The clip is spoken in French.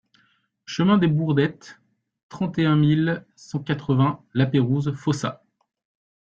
Chemin des Bourdettes, trente et un mille cent quatre-vingts Lapeyrouse-Fossat